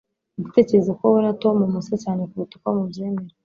Ndatekereza ko wowe na Tom musa cyane kuruta uko mubyemera